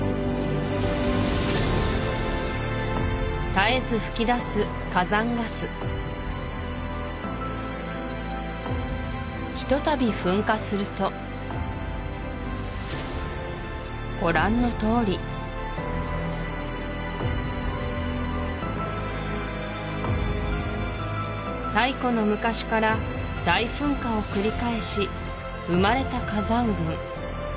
絶えず噴き出す火山ガスひとたび噴火するとご覧のとおり太古の昔から大噴火を繰り返し生まれた火山群